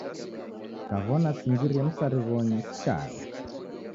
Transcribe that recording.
Kaw'ona singirie msarighoni, sichagha